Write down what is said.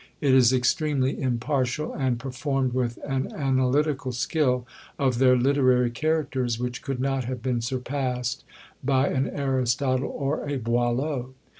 It is extremely impartial, and performed with an analytical skill of their literary characters which could not have been surpassed by an Aristotle or a Boileau.